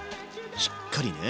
しっかりね。